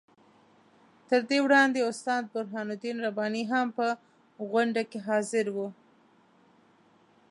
تر دې وړاندې استاد برهان الدین رباني هم په غونډه کې حاضر وو.